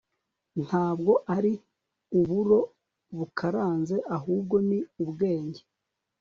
ntabwo ari uburo bakaranze ahubwo ni ubwenge